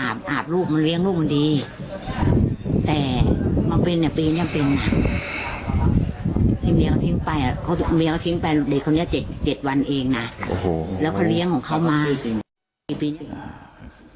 แล้วก็เลี้ยงของเขามาจริง